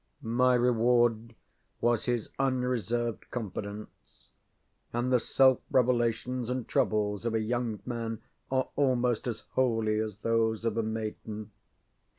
My reward was his unreserved confidence, and the self revelations and troubles of a young man are almost as holy as those of a maiden.